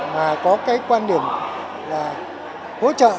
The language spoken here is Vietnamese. mà có cái quan điểm là hỗ trợ